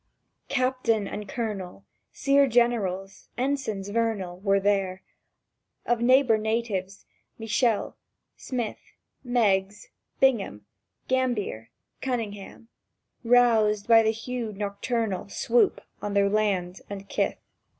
Captain and Colonel, Sere Generals, Ensigns vernal, Were there; of neighbour natives, Michel, Smith, Meggs, Bingham, Gambier, Cunningham, roused by the hued nocturnal Swoop on their land and kith.